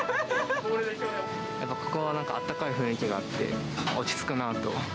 やっぱ、ここはなんか、あったかい雰囲気があって、落ち着くなと。